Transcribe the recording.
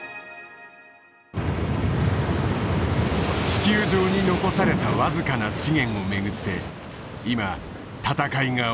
地球上に残された僅かな資源をめぐって今闘いが起きている。